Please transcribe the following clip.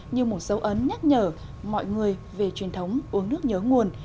như một dấu ấn nhắc nhở mọi người về truyền thống uống nước nhớ nguồn